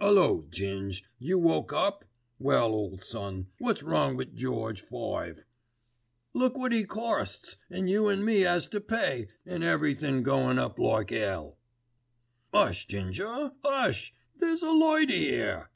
"'Ullo Ging, you woke up? Well ole son, wot's wrong wi' George Five?" "Look wot 'e corsts, an' you an' me 'as to pay, an' everything goin' up like 'ell." "'Ush, Ginger, 'ush, there's a lady 'ere."